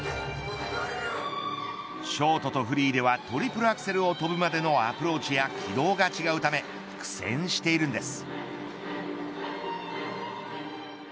ショートとフリーではトリプルアクセルを跳ぶまでのアプローチや軌道が違うため苦戦しているんです。